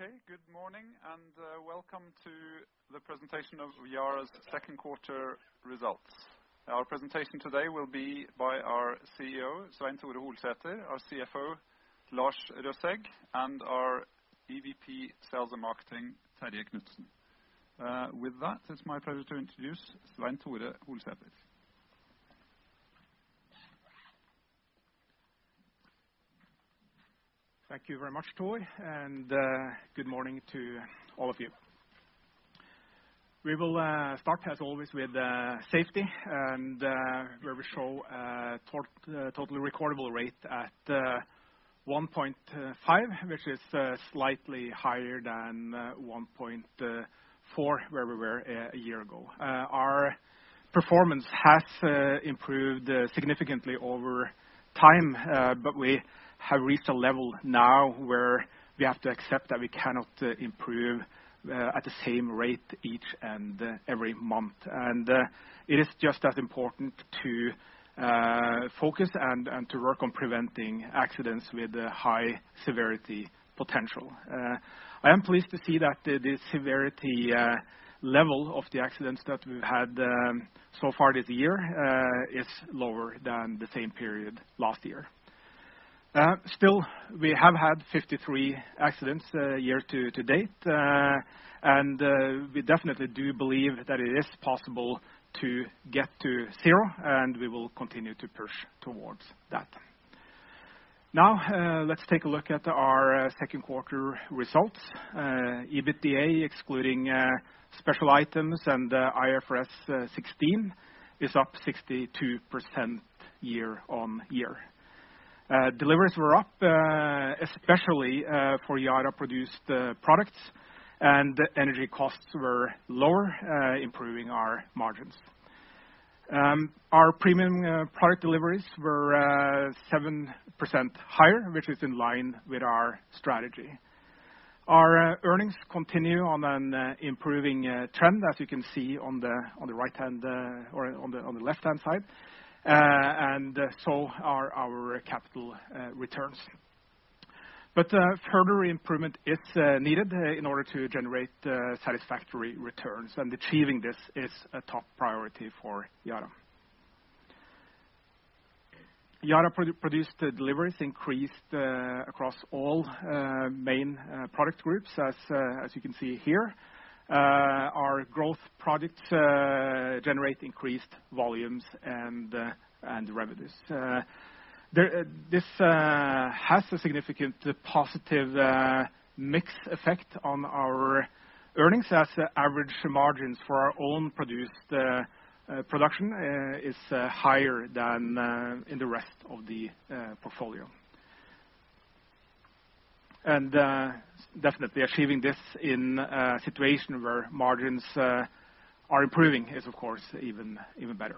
Okay. Good morning. Welcome to the presentation of Yara's second quarter results. Our presentation today will be by our CEO, Svein Tore Holsether, our CFO, Lars Røsæg, and our EVP, Sales and Marketing, Terje Knutsen. With that, it's my pleasure to introduce Svein Tore Holsether. Thank you very much, Thor. Good morning to all of you. We will start, as always, with safety and where we show total recordable rate at 1.5, which is slightly higher than 1.4 where we were a year ago. Our performance has improved significantly over time. We have reached a level now where we have to accept that we cannot improve at the same rate each and every month. It is just as important to focus and to work on preventing accidents with high severity potential. I am pleased to see that the severity level of the accidents that we've had so far this year, is lower than the same period last year. Still, we have had 53 accidents year to date, and we definitely do believe that it is possible to get to zero, and we will continue to push towards that. Now, let's take a look at our second quarter results. EBITDA, excluding special items and IFRS 16, is up 62% year-on-year. Deliveries were up, especially for Yara-produced products, and energy costs were lower, improving our margins. Our premium product deliveries were 7% higher, which is in line with our strategy. Our earnings continue on an improving trend, as you can see on the left-hand side, and so are our capital returns. Further improvement is needed in order to generate satisfactory returns, and achieving this is a top priority for Yara. Yara-produced deliveries increased across all main product groups as you can see here. Our growth products generate increased volumes and revenues. This has a significant positive mix effect on our earnings as average margins for our own production is higher than in the rest of the portfolio. Definitely achieving this in a situation where margins are improving is of course even better.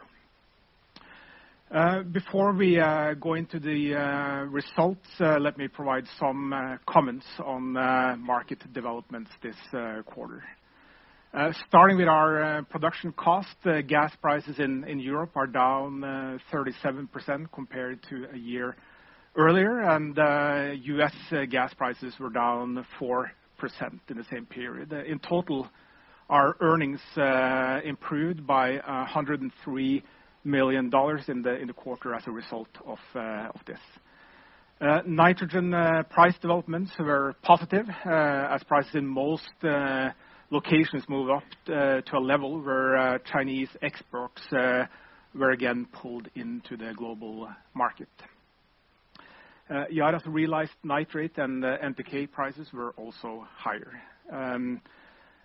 Before we go into the results, let me provide some comments on market developments this quarter. Starting with our production cost, gas prices in Europe are down 37% compared to a year earlier, and U.S. gas prices were down 4% in the same period. In total, our earnings improved by $103 million in the quarter as a result of this. Nitrogen price developments were positive, as prices in most locations move up to a level where Chinese exports were again pulled into the global market. Yara's realized nitrate and NPK prices were also higher.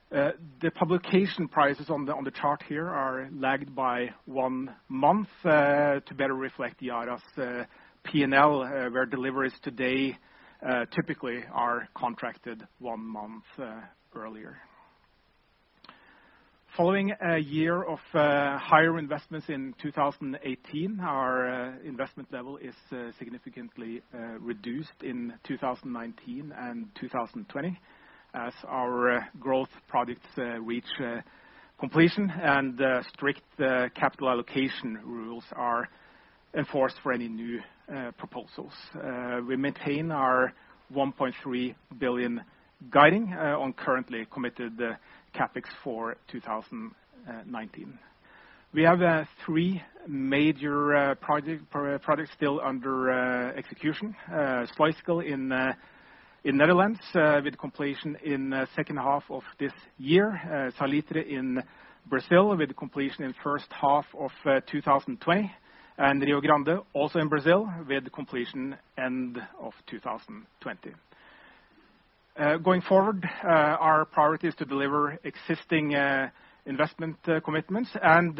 The publication prices on the chart here are lagged by one month to better reflect Yara's P&L, where deliveries today typically are contracted one month earlier. Following a year of higher investments in 2018, our investment level is significantly reduced in 2019 and 2020 as our growth projects reach completion and strict capital allocation rules are enforced for any new proposals. We maintain our 1.3 billion guiding on currently committed CapEx for 2019. We have three major projects still under execution. Sluiskil in Netherlands, with completion in second half of this year. Salitre in Brazil, with completion in first half of 2020. Rio Grande, also in Brazil, with completion end of 2020. Going forward, our priority is to deliver existing investment commitments, and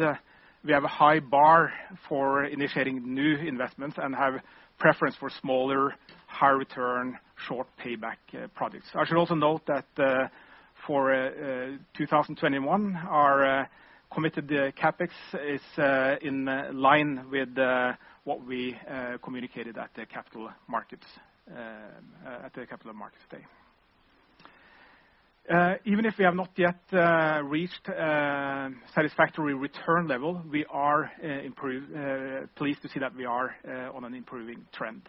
we have a high bar for initiating new investments and have preference for smaller, high return, short payback projects. I should also note that for 2021, our committed CapEx is in line with what we communicated at the Capital Markets Day. Even if we have not yet reached a satisfactory return level, we are pleased to see that we are on an improving trend.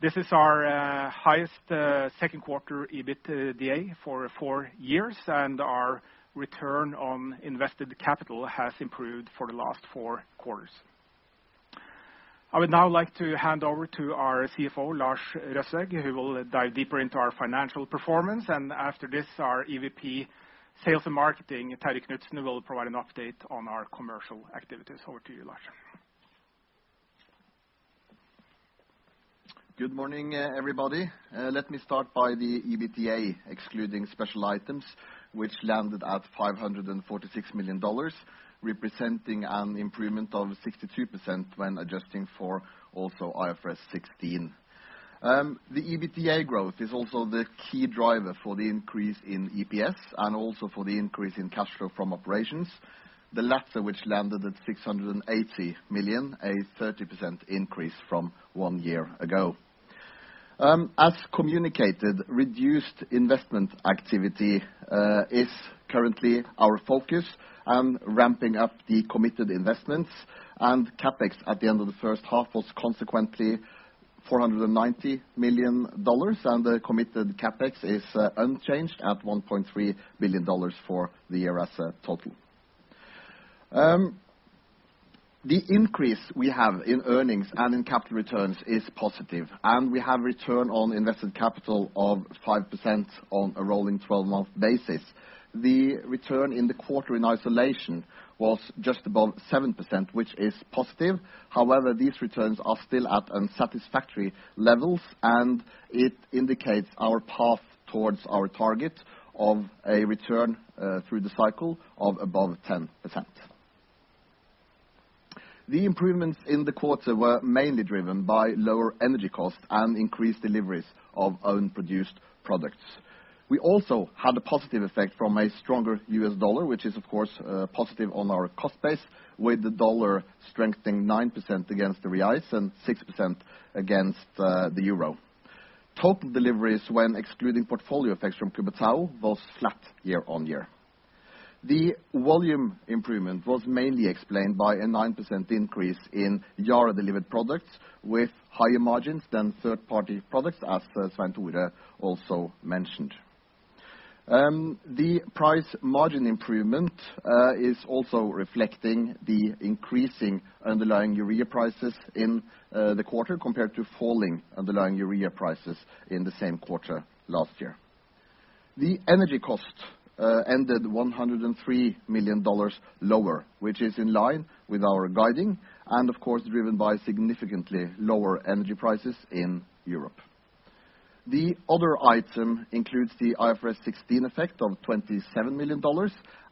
This is our highest second quarter EBITDA for four years, and our return on invested capital has improved for the last four quarters. I would now like to hand over to our CFO, Lars Røsæg, who will dive deeper into our financial performance. After this, our EVP, Sales and Marketing, Terje Knutsen, will provide an update on our commercial activities. Over to you, Lars. Good morning, everybody. Let me start by the EBITDA, excluding special items, which landed at $546 million, representing an improvement of 62% when adjusting for also IFRS 16. The EBITDA growth is also the key driver for the increase in EPS and also for the increase in cash flow from operations, the latter which landed at 680 million, a 30% increase from one year ago. As communicated, reduced investment activity is currently our focus and ramping up the committed investments and CapEx at the end of the first half was consequently NOK 490 million. The committed CapEx is unchanged at NOK 1.3 billion for the year as a total. The increase we have in earnings and in capital returns is positive, and we have return on invested capital of 5% on a rolling 12-month basis. The return in the quarter in isolation was just above 7%, which is positive. However, these returns are still at unsatisfactory levels, and it indicates our path towards our target of a return, through the cycle, of above 10%. The improvements in the quarter were mainly driven by lower energy costs and increased deliveries of own produced products. We also had a positive effect from a stronger U.S. dollar, which is, of course, positive on our cost base, with the dollar strengthening 9% against the reais and 6% against the euro. Total deliveries, when excluding portfolio effects from Cubatao, was flat year-over-year. The volume improvement was mainly explained by a 9% increase in Yara-delivered products with higher margins than third-party products, as Svein Tore also mentioned. The price margin improvement is also reflecting the increasing underlying urea prices in the quarter compared to falling underlying urea prices in the same quarter last year. The energy cost ended $103 million lower, which is in line with our guiding and of course, driven by significantly lower energy prices in Europe. The other item includes the IFRS 16 effect of $27 million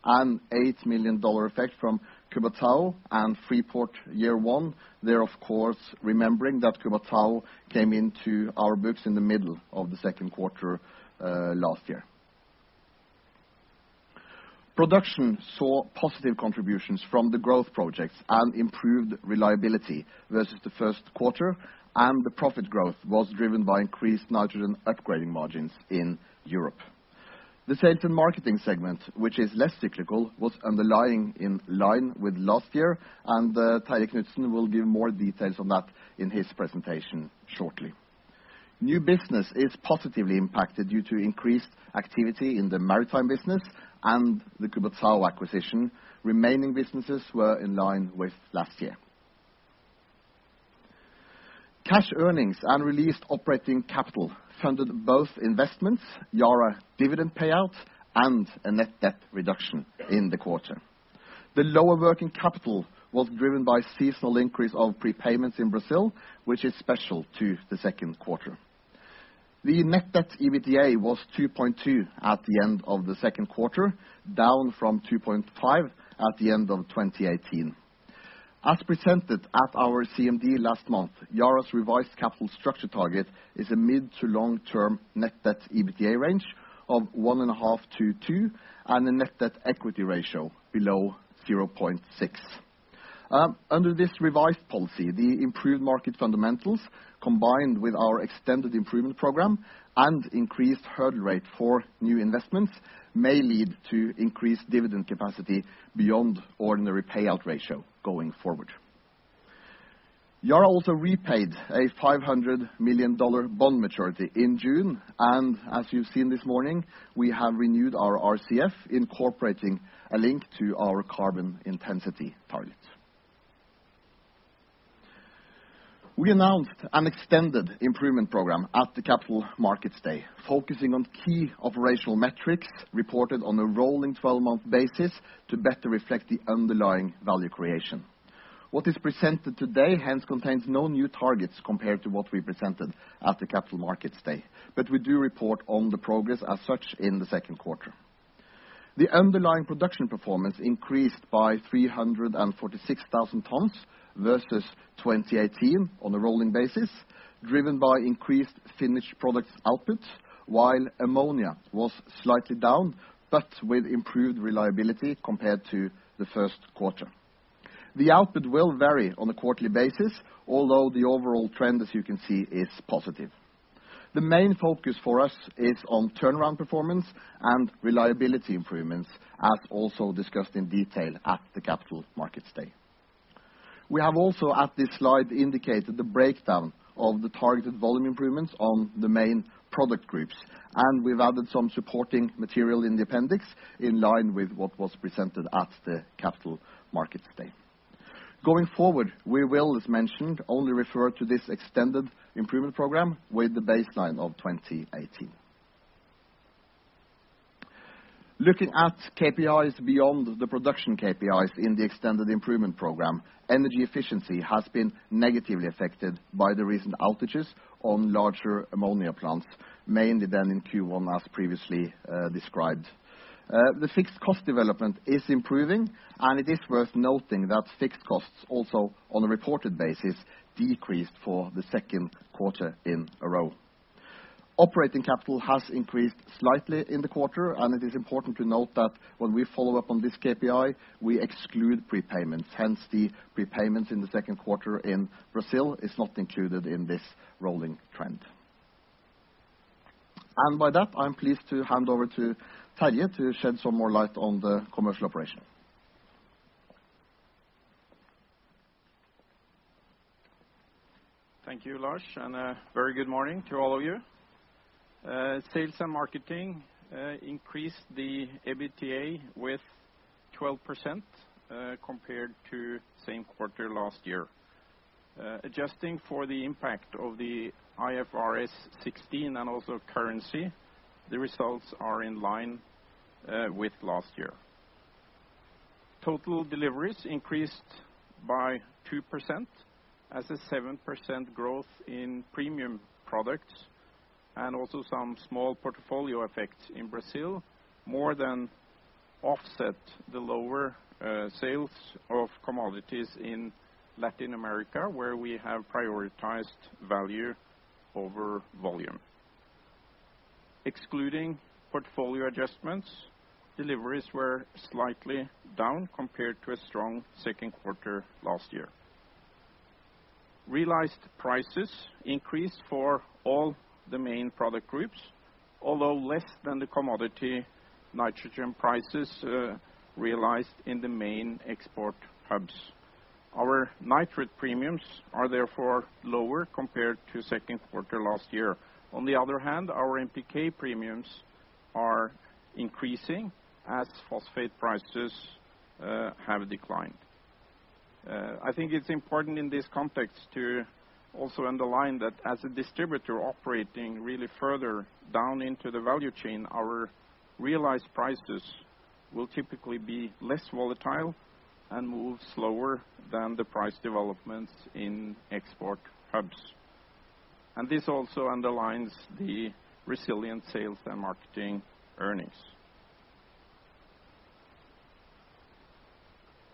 and $8 million effect from Cubatao and Freeport year one. There, of course, remembering that Cubatao came into our books in the middle of the second quarter last year. Production saw positive contributions from the growth projects and improved reliability versus the first quarter. The profit growth was driven by increased nitrogen upgrading margins in Europe. The sales and marketing segment, which is less cyclical, was underlying in line with last year. Terje Knutsen will give more details on that in his presentation shortly. New business is positively impacted due to increased activity in the maritime business and the Cubatao acquisition. Remaining businesses were in line with last year. Cash earnings and released operating capital funded both investments, Yara dividend payouts, and a net debt reduction in the quarter. The lower working capital was driven by seasonal increase of prepayments in Brazil, which is special to the second quarter. The net debt EBITDA was 2.2 at the end of the second quarter, down from 2.5 at the end of 2018. As presented at our CMD last month, Yara's revised capital structure target is a mid to long-term net debt/EBITDA range of 1.5 to 2 and a net debt equity ratio below 0.6. Under this revised policy, the improved market fundamentals, combined with our extended improvement program and increased hurdle rate for new investments, may lead to increased dividend capacity beyond ordinary payout ratio going forward. Yara also repaid a $500 million bond maturity in June. As you've seen this morning, we have renewed our RCF incorporating a link to our carbon intensity target. We announced an extended improvement program at the Capital Markets Day, focusing on key operational metrics reported on a rolling 12-month basis to better reflect the underlying value creation. What is presented today hence contains no new targets compared to what we presented at the Capital Markets Day. We do report on the progress as such in the second quarter. The underlying production performance increased by 346,000 tons versus 2018 on a rolling basis, driven by increased finished products outputs, while ammonia was slightly down but with improved reliability compared to the first quarter. The output will vary on a quarterly basis, although the overall trend, as you can see, is positive. The main focus for us is on turnaround performance and reliability improvements, as also discussed in detail at the Capital Markets Day. We have also, at this slide, indicated the breakdown of the targeted volume improvements on the main product groups. We've added some supporting material in the appendix in line with what was presented at the Capital Markets Day. Going forward, we will, as mentioned, only refer to this extended improvement program with the baseline of 2018. Looking at KPIs beyond the production KPIs in the extended improvement program, energy efficiency has been negatively affected by the recent outages on larger ammonia plants, mainly then in Q1, as previously described. The fixed cost development is improving. It is worth noting that fixed costs also on a reported basis decreased for the second quarter in a row. Operating capital has increased slightly in the quarter, it is important to note that when we follow up on this KPI, we exclude prepayments. Hence, the prepayments in the second quarter in Brazil is not included in this rolling trend. By that, I'm pleased to hand over to Terje to shed some more light on the commercial operation. Thank you, Lars, a very good morning to all of you. Sales and marketing increased the EBITDA with 12% compared to same quarter last year. Adjusting for the impact of the IFRS 16 and also currency, the results are in line with last year. Total deliveries increased by 2% as a 7% growth in premium products and also some small portfolio effects in Brazil, more than offset the lower sales of commodities in Latin America, where we have prioritized value over volume. Excluding portfolio adjustments, deliveries were slightly down compared to a strong second quarter last year. Realized prices increased for all the main product groups, although less than the commodity nitrogen prices realized in the main export hubs. Our nitrate premiums are therefore lower compared to second quarter last year. On the other hand, our NPK premiums are increasing as phosphate prices have declined. I think it's important in this context to also underline that as a distributor operating really further down into the value chain, our realized prices will typically be less volatile and move slower than the price developments in export hubs. This also underlines the resilient sales and marketing earnings.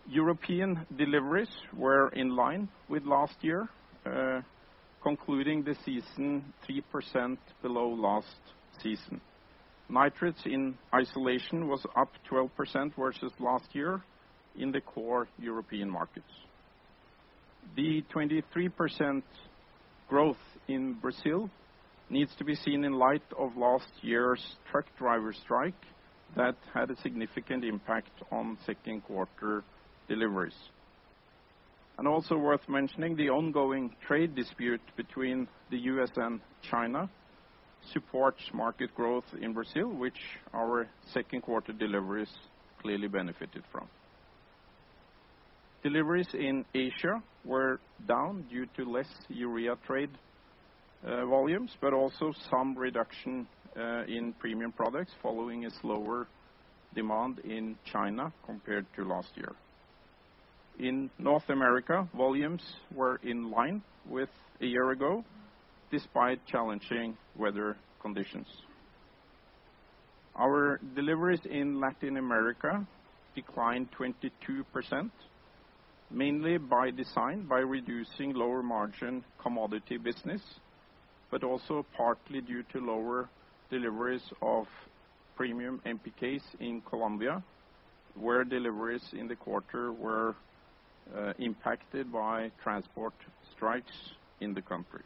European deliveries were in line with last year, concluding the season 3% below last season. Nitrates in isolation was up 12% versus last year in the core European markets. The 23% growth in Brazil needs to be seen in light of last year's truck driver strike that had a significant impact on second quarter deliveries. Also worth mentioning, the ongoing trade dispute between the U.S. and China supports market growth in Brazil, which our second quarter deliveries clearly benefited from. Deliveries in Asia were down due to less urea trade volumes, also some reduction in premium products following a slower demand in China compared to last year. In North America, volumes were in line with a year ago, despite challenging weather conditions. Our deliveries in Latin America declined 22%, mainly by design, by reducing lower margin commodity business, also partly due to lower deliveries of premium NPKs in Colombia, where deliveries in the quarter were impacted by transport strikes in the country.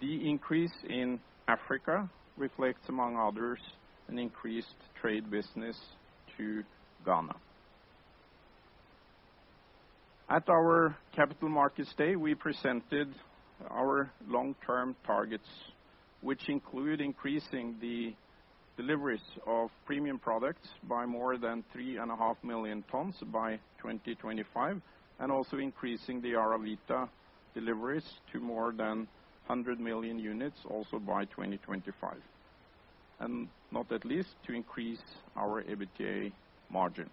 The increase in Africa reflects, among others, an increased trade business to Ghana. At our Capital Markets Day, we presented our long-term targets, which include increasing the deliveries of premium products by more than three and a half million tons by 2025, also increasing the YaraVita deliveries to more than 100 million units also by 2025, not at least, to increase our EBITDA margin.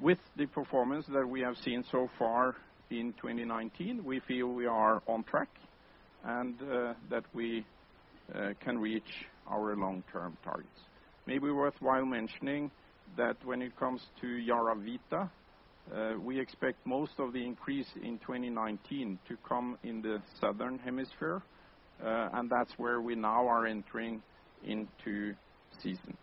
With the performance that we have seen so far in 2019, we feel we are on track and that we can reach our long-term targets. Maybe worthwhile mentioning that when it comes to YaraVita, we expect most of the increase in 2019 to come in the Southern Hemisphere, and that's where we now are entering into season.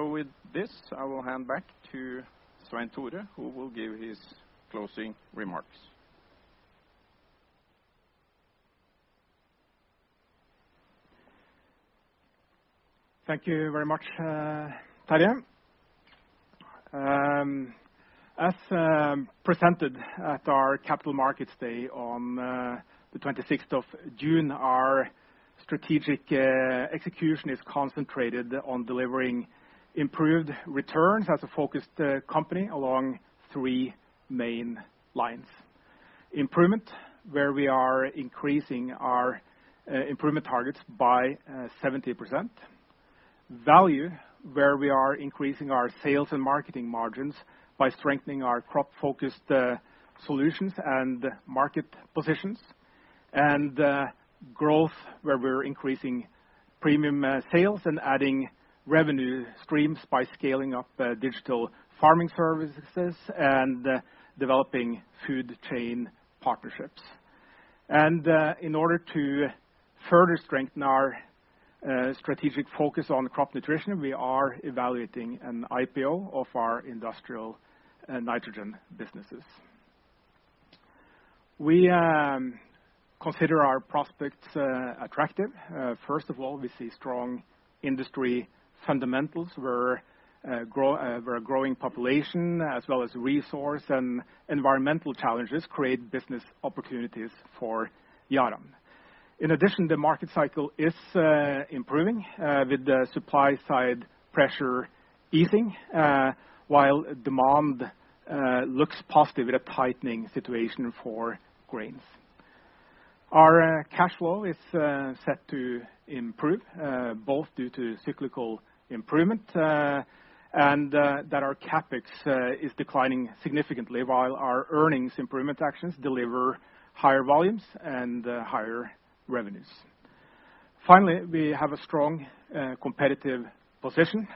With this, I will hand back to Svein Tore, who will give his closing remarks. Thank you very much, Terje. As presented at our Capital Markets Day on the 26th of June, our strategic execution is concentrated on delivering improved returns as a focused company along three main lines. Improvement, where we are increasing our improvement targets by 70%. Value, where we are increasing our sales and marketing margins by strengthening our crop-focused solutions and market positions. Growth, where we're increasing premium sales and adding revenue streams by scaling up digital farming services and developing food chain partnerships. In order to further strengthen our strategic focus on crop nutrition, we are evaluating an IPO of our industrial nitrogen businesses. We consider our prospects attractive. First of all, we see strong industry fundamentals where a growing population, as well as resource and environmental challenges, create business opportunities for Yara. In addition, the market cycle is improving with the supply side pressure easing, while demand looks positive with a tightening situation for grains. Our cash flow is set to improve, both due to cyclical improvement and that our CapEx is declining significantly while our earnings improvement actions deliver higher volumes and higher revenues. Finally, we have a strong competitive position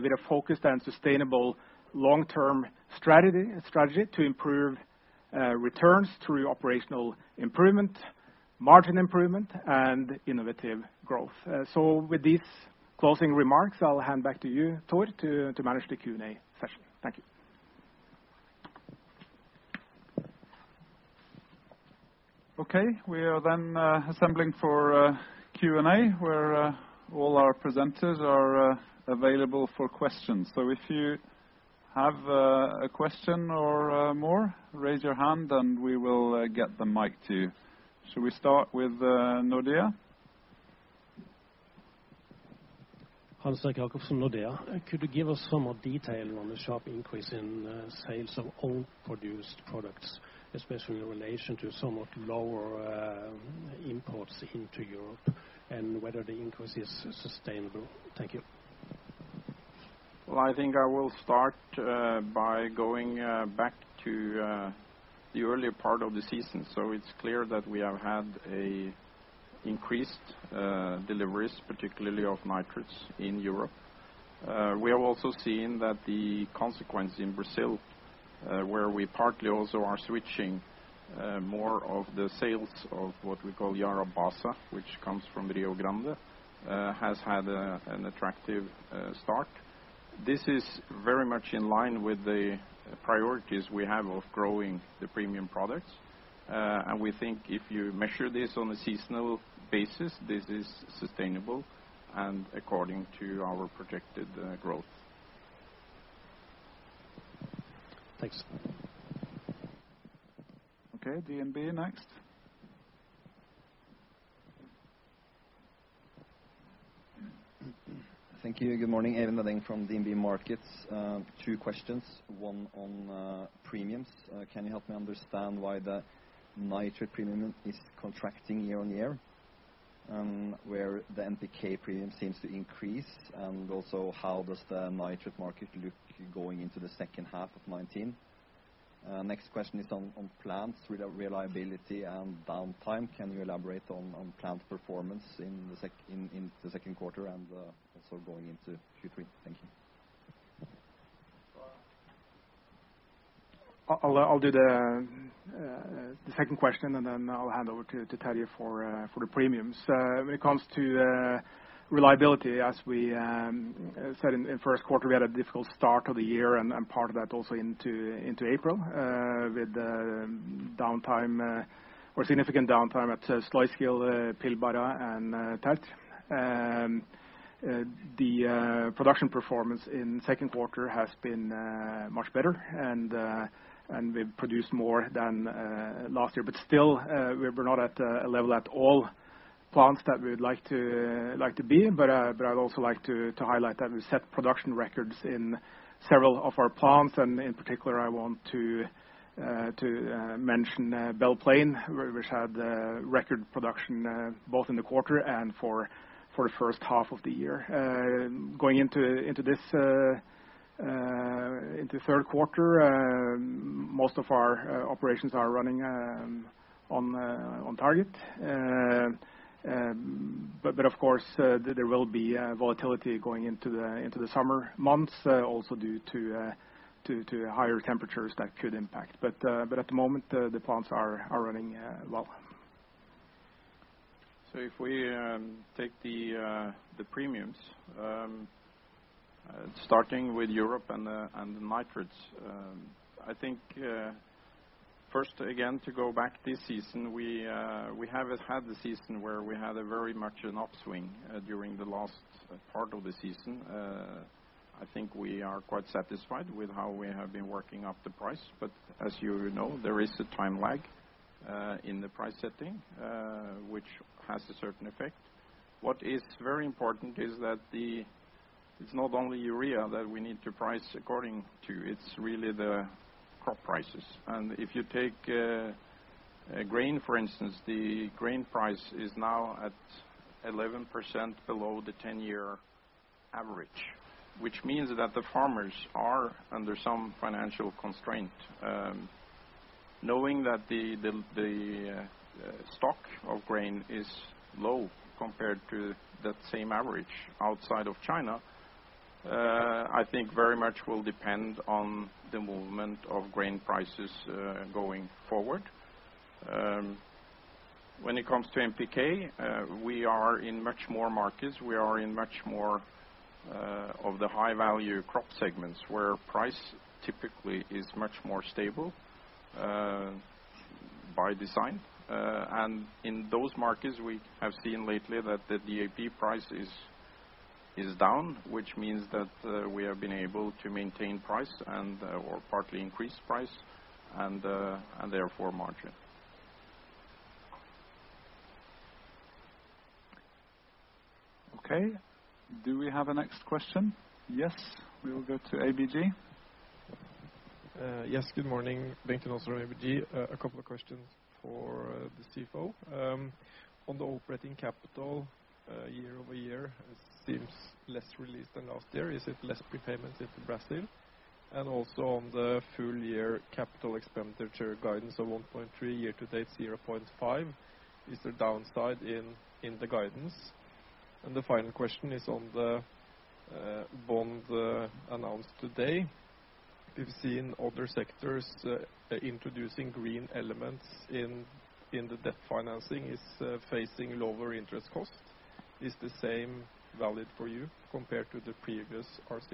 with a focused and sustainable long-term strategy to improve returns through operational improvement, margin improvement and innovative growth. With these closing remarks, I'll hand back to you, Thor, to manage the Q&A session. Thank you. Okay. We are then assembling for Q&A, where all our presenters are available for questions. If you have a question or more, raise your hand and we will get the mic to you. Should we start with Nordea? Hans Jakobsen, Nordea. Could you give us some more detail on the sharp increase in sales of all produced products, especially in relation to somewhat lower imports into Europe, and whether the increase is sustainable? Thank you. Well, I think I will start by going back to the earlier part of the season. It's clear that we have had increased deliveries, particularly of nitrates in Europe. We have also seen that the consequence in Brazil, where we partly also are switching more of the sales of what we call YaraBasa, which comes from Rio Grande, has had an attractive start. This is very much in line with the priorities we have of growing the premium products. We think if you measure this on a seasonal basis, this is sustainable and according to our projected growth. Thanks. Okay, DNB next. Thank you. Good morning, Eden. I'll do the second question, and then I'll hand over to Terje for the premiums. When it comes to reliability, as we said in the first quarter, we had a difficult start of the year and part of that also into April, with significant downtime at Sluiskil, Pilbara and Tertre. The production performance in the second quarter has been much better, and we've produced more than last year. Still, we're not at a level at all plants that we would like to be. I'd also like to highlight that we've set production records in several of our plants, and in particular, I want to mention Belle Plaine, which had record production both in the quarter and for the first half of the year. Going into third quarter, most of our operations are running on target. There will be volatility going into the summer months also due to higher temperatures that could impact. At the moment, the plants are running well. If we take the premiums, starting with Europe and the nitrates, I think first, again, to go back this season, we have had the season where we had a very much an upswing during the last part of the season. I think we are quite satisfied with how we have been working up the price. As you know, there is a time lag in the price setting, which has a certain effect. What is very important is that it's not only urea that we need to price according to, it's really the crop prices. If you take grain, for instance, the grain price is now at 11% below the 10-year average. Which means that the farmers are under some financial constraint. Knowing that the stock of grain is low compared to that same average outside of China, I think very much will depend on the movement of grain prices going forward. When it comes to NPK, we are in much more markets. We are in much more of the high-value crop segments, where price typically is much more stable by design. In those markets, we have seen lately that the DAP price is down, which means that we have been able to maintain price and/or partly increase price, and therefore margin. Okay. Do we have a next question? Yes, we will go to ABG. Yes, good morning. Bengt Jonassen from ABG. A couple of questions for the CFO. On the operating capital year-over-year, it seems less released than last year. Is it less prepayments into Brazil? Also on the full year CapEx guidance of 1.3, year to date 0.5. Is there downside in the guidance? The final question is on the bond announced today. We've seen other sectors introducing green elements in the debt financing is facing lower interest costs. Is the same valid for you compared to the previous RCF?